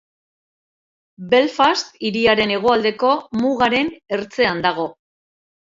Belfast hiriaren hegoaldeko mugaren ertzean dago.